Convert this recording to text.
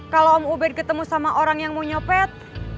kalau om ubed ketemu sama orang yang mau nyopet